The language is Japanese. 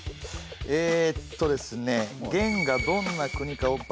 えっとですねあっ！